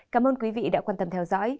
cảm ơn quý vị đã quan tâm theo dõi